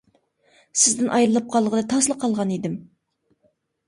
-سىزدىن ئايرىلىپ قالغىلى تاسلا قالغان ئىدىم.